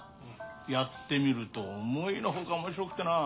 やってみると思いのほかおもしろくてな。